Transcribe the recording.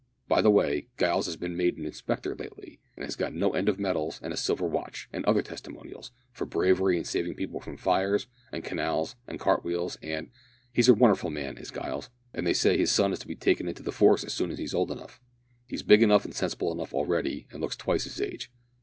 By the way, Giles has been made an Inspector lately, and has got no end of medals and a silver watch, and other testimonials, for bravery in saving people from fires, and canals, and cart wheels, and he's a wonderful man is Giles, and they say his son is to be taken into the force as soon as he's old enough. He's big enough and sensible enough already, and looks twice his age.